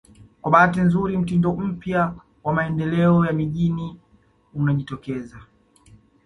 Kwa bahati nzuri mtindo mpya wa maendeleo ya mijini unajitokeza